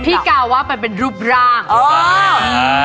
พี่กาวว่าเป็นรูปร่าง